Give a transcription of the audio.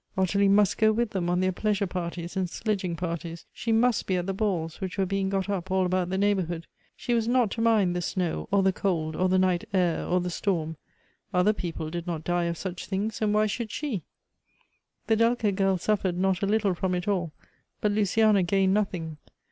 Ottilie must go with them on their pleasure parties and sledging parties ; she must be at the balls which were being got up all about the neighbor hood. She was not to mind the snow, or the cold, or the night air, or the storm ; other people did not die of such things, and why should she ? The delicate girl suffered not a little from it all, but Luciana gained nothing.